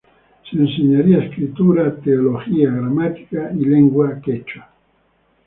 Se enseñaría Escritura, Teología, Gramática y Lengua Quechua.